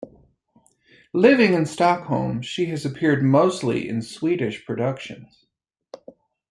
Living in Stockholm, she has appeared mostly in Swedish productions.